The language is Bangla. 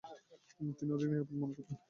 তিনি অধিক নিরাপদ মনে করতেন।